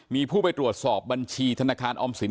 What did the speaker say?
มีผู้ไปตรวจสอบบัญชีธนาคารออมสิน